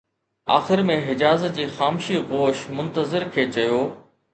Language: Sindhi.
آخر ۾ حجاز جي خامشي گوش منتظر کي چيو